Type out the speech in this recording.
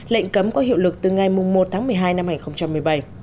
lệnh cấm có hiệu lực từ ngày một tháng một mươi hai năm hai nghìn một mươi bảy